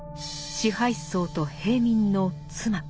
支配層と平民の「妻」。